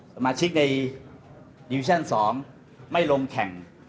สมาชิกในดิวิชั่น๒ไม่ลงแข่ง